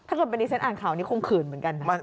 ถ้าเกิดเป็นดิฉันอ่านข่าวนี้คงขืนเหมือนกันนะ